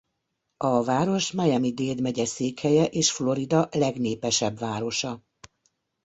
A város Miami-Dade megye székhelye és Florida legnépesebb városa.